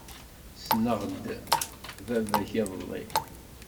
Ssneɣ-d baba-k iḍelli.